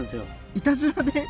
いたずらで。